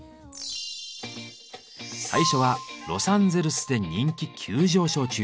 最初はロサンゼルスで人気急上昇中！